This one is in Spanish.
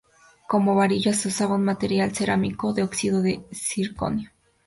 Como varilla se usaba un material cerámico de óxido de zirconio-itrio.